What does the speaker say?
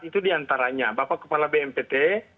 itu diantaranya bapak kepala bnpt